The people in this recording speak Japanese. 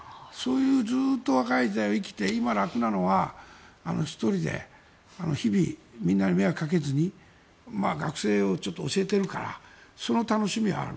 ずっと若い時代を生きて今、楽なのは１人で日々みんなに迷惑かけずに学生を教えてるからその楽しみはある。